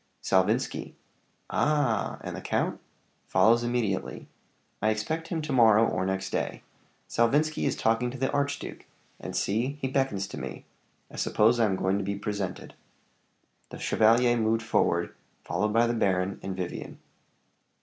"Salvinski." "Ah! And the count?" "Follows immediately. I expect him to morrow or next day. Salvinski is talking to the archduke; and see, he beckons to me. I suppose I am going to be presented." The chevalier moved forward, followed by the baron and Vivian.